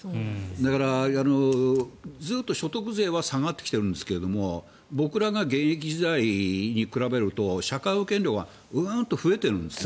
だから、ずっと所得税は下がってきてるんですけど僕らの現役時代に比べると社会保険料は増えてるんです。